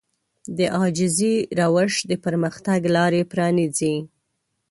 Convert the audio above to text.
د عاجزي روش د پرمختګ لارې پرانيزي.